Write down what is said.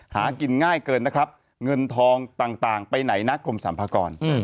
หากินง่ายเกินนะครับเงินทองต่างไปไหนนะกรมสัมภากร